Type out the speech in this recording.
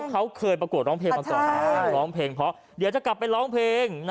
เขาเคยประกวดร้องเพลงมาก่อนร้องเพลงเพราะเดี๋ยวจะกลับไปร้องเพลง